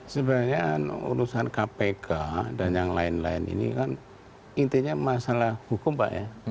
sebenarnya urusan kpk dan yang lain lain ini kan intinya masalah hukum pak ya